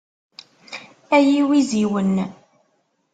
Ay iwiziwen.